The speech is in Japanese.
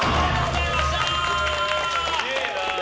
すげえな。